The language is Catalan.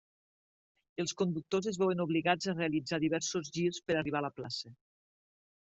Els conductors es veuen obligats a realitzar diversos girs per a arribar a la plaça.